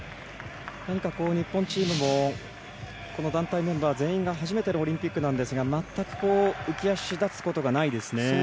日本チームも団メンバー全員が初めてのオリンピックなんですが全く、浮足だつことがないですね。